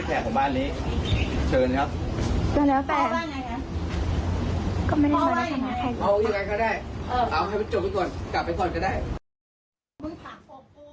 เอาอย่างไรก็ได้เอาให้มันจบกันก่อนกลับไปก่อนก็ได้